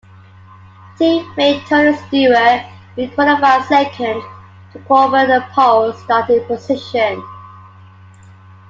Teammate Tony Stewart, who qualified second, took over the pole starting position.